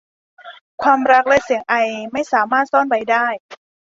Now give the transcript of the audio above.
ความรักและเสียงไอ ไม่สามารถซ่อนไว้ได้